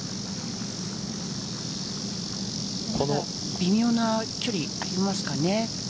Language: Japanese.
微妙な距離ありますかね。